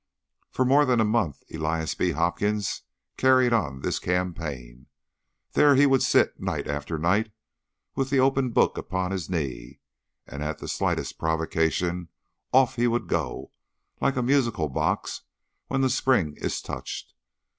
For more than a month Elias B. Hopkins carried on this campaign. There he would sit, night after night, with the open book upon his knee, and at the slightest provocation off he would go, like a musical box when the spring is touched.